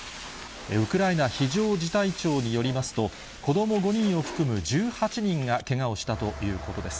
ウクライナ非常事態庁によりますと、子ども５人を含む１８人がけがをしたということです。